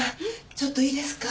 ちょっといいですか？